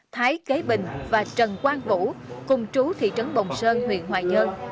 thái kế bình và trần quang vũ cùng chú thị trấn bồng sơn huyện hoài nhơn